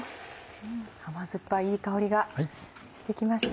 甘酸っぱいいい香りがしてきました。